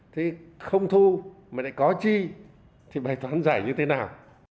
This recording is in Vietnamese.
thế không thu mà lại có chi thì bài toán giải như thế nào